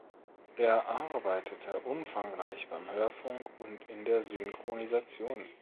Er arbeitete umfangreich beim Hörfunk und in der Synchronisation.